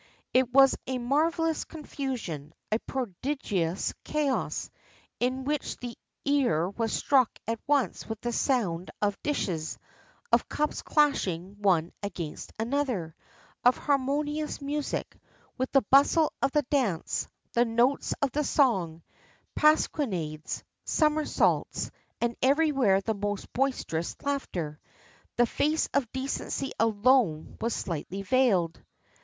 It was a marvellous confusion, a prodigious chaos, in which the ear was struck at once with the sound of dishes, of cups clashing one against another, of harmonious music, with the bustle of the dance, the notes of the song, pasquinades, somersaults, and everywhere the most boisterous laughter. The face of decency alone was slightly veiled.